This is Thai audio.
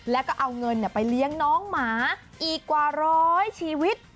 แล้วก็เอาเงินไปเลี้ยงน้องหมาอีกกว่าร้อยชีวิต